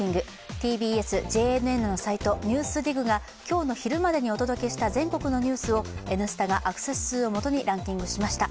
ＴＢＳ・ＪＮＮのサイト「ＮＥＷＳＤＩＧ」が今日の昼までにお届けした全国のニュースを「Ｎスタ」がアクセス数をもとにランキングしました。